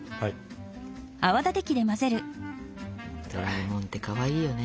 ドラえもんってかわいいよね。